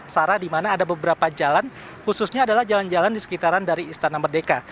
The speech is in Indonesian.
sarah di mana ada beberapa jalan khususnya adalah jalan jalan di sekitaran dari istana merdeka